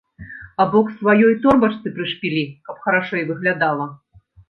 Або к сваёй торбачцы прышпілі, каб харашэй выглядала.